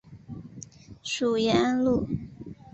属延安路。